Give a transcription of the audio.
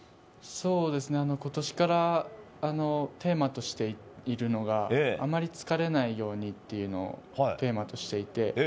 今年からテーマとしているのがあまり疲れないようにというのをテーマとしていて。